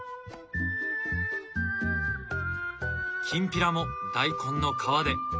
きんぴらも大根の皮で。